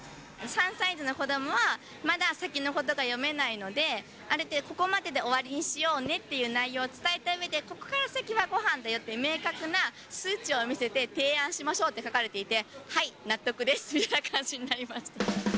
３歳児の子どもはまだ先のことが読めないので、ある程度、ここまでで終わりにしようねという内容を伝えたうえで、ここから先はごはんだよって明確な数値を見せて提案しましょうって書かれていて、はい、納得ですという感じになりました。